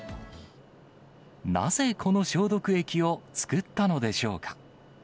なぜ、この消毒液を作ったのでしょうか。